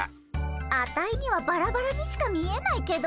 アタイにはバラバラにしか見えないけどね。